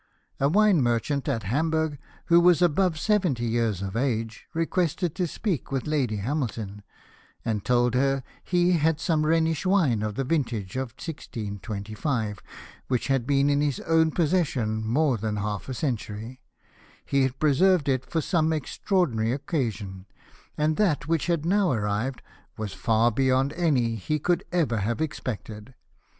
A wine merchant at Hamburg, who was above seventy years of age, requested to speak with Lady Hamilton, and told her he had some Rhenish wine of the vintage of 1625, which had been in his own possession more than half a century ; he had preserved it for some extraordinary occasion ; and that which had now arrived was far beyond any that he could ever have expected.